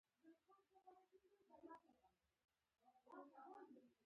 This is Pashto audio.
یعنې ووایو چې هغه یو انسان دی.